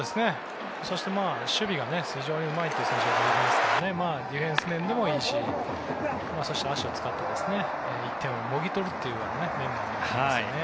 そして、守備が非常にうまい選手が多いですからディフェンス面でもいいですしそして足を使って１点をもぎ取るというメンバーもいますよね。